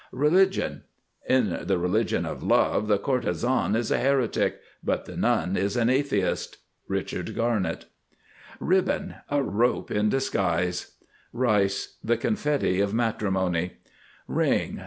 RELIGION. "In the religion of Love the courtesan is a heretic; but the nun is an atheist."—Richard Garnett. RIBBON. A rope in disguise. RICE. The confetti of matrimony. RING.